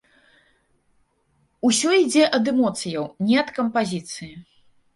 Усё ідзе ад эмоцыяў, не ад кампазіцыі.